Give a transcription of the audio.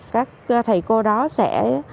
các thầy cô đó sẽ